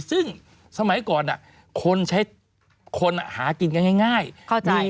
ซึ่งสมัยก่อนคนหากินง่าย